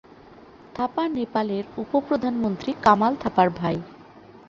থাপা নেপালের উপ-প্রধানমন্ত্রী কামাল থাপার ভাই।